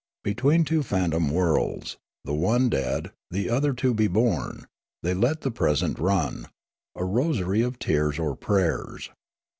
Between two phantom worlds, the one dead, the other to be born, they let the present run, a rosary of tears or prayers.